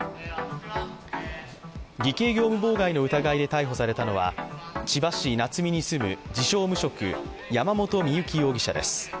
偽計業務妨害の疑いで逮捕されたのは船橋市夏見に住む自称・無職、山本深雪容疑者です。